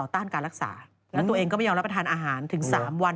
ต้านการรักษาแล้วตัวเองก็ไม่ยอมรับประทานอาหารถึง๓วัน